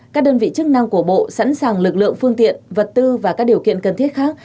các đơn vị chức năng của bộ sẵn sàng lực lượng phương tiện vật tư và các điều kiện cần thiết khác